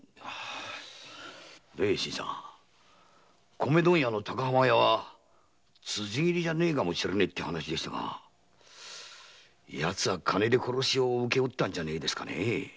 米問屋・高浜屋は辻斬りじゃねえかもしれねえって話でしたがやつは金で殺しを請け負ったんじゃねえんですかね。